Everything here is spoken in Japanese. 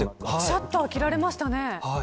シャッターが切られましたね。